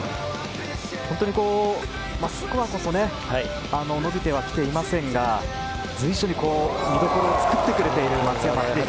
本当にスコアこそ伸びてはきていませんが随所に見どころを作ってくれている松山英樹。